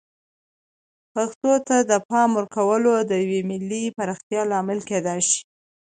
پښتو ته د پام ورکول د یوې ملي پراختیا لامل کیدای شي.